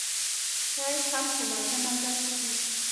چای هم په مزه مزه څښي.